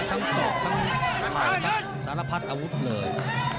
ทั้งสอกทั้งสาระพัดสาระพัดอาวุธเลย